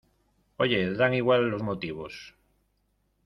oye, dan igual los motivos